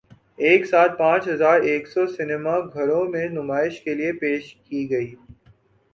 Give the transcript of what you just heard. ایک ساتھ پانچ ہزار ایک سو سینما گھروں میں نمائش کے لیے پیش کی گئی